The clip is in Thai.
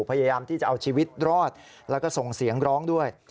พยายามที่จะเอาชีวิตรอดแล้วก็ส่งเสียงร้องด้วย